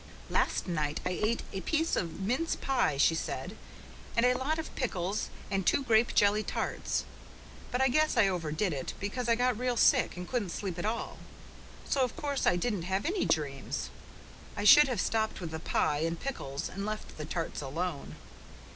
"Last night I ate a piece of mince pie," she said, "and a lot of pickles, and two grape jelly tarts. But I guess I overdid it, because I got real sick and couldn't sleep at all, so of course I didn't have any dreams. I should have stopped with the pie and pickles and left the tarts alone.